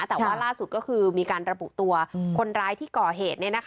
แต่ว่าล่าสุดก็คือมีการระบุตัวคนร้ายที่ก่อเหตุ